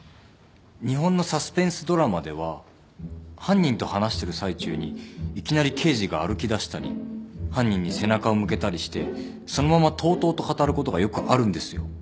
日本のサスペンスドラマでは犯人と話してる最中にいきなり刑事が歩きだしたり犯人に背中を向けたりしてそのままとうとうと語ることがよくあるんですよ。